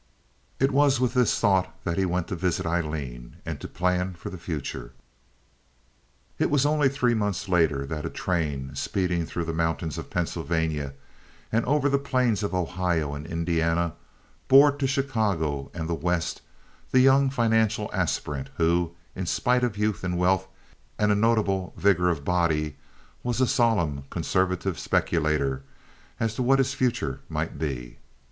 It was with this thought that he went to visit Aileen, and to plan for the future. It was only three months later that a train, speeding through the mountains of Pennsylvania and over the plains of Ohio and Indiana, bore to Chicago and the West the young financial aspirant who, in spite of youth and wealth and a notable vigor of body, was a solemn, conservative speculator as to what his future might be.